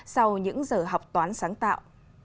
sau những giờ học toán sáng tạo